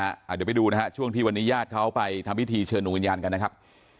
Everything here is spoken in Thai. เดี๋ยวไปดูนะฮะช่วงที่วันนี้ญาติเขาไปทำพิธีเชิญดวงวิญญาณกันนะครับ